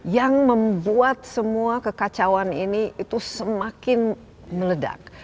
yang membuat semua kekacauan ini itu semakin meledak